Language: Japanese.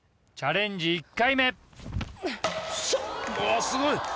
チャレンジ１回目おっすごい！